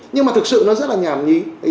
nhưng mà thực sự nó rất là nhảm nhí